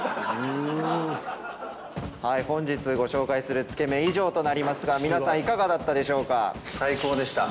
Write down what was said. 本日ご紹介するつけ麺以上となりますが皆さんいかがだったでしょうか？